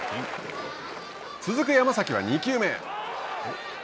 続く山崎は２球目。